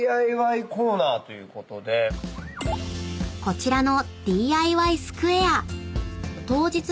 ［こちらの］